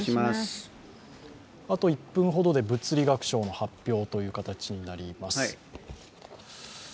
あと１分ほどで物理学賞の発表となります。